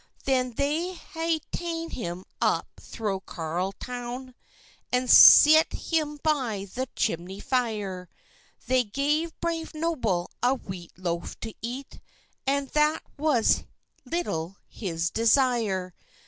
Then they hae tane him up thro' Carlisle town, And set him by the chimney fire; They gave brave Noble a wheat loaf to eat, And that was little his desire.